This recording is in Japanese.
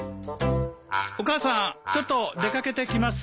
お母さんちょっと出掛けてきます。